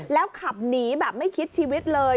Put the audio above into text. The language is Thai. แล้วขับหนีแบบไม่คิดชีวิตเลย